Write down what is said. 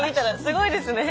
すごいですね。